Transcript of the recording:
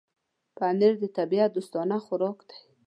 پنېر د طبيعت دوستانه خوراک دی.